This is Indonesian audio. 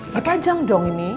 ya pajang dong ini